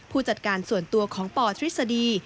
ผู้จัดการส่วนตัวของปทฤษฎี